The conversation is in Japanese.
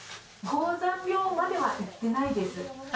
高山病まではいってないです。